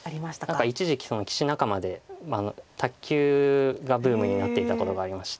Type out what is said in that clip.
一時期棋士仲間で卓球がブームになっていたことがありまして。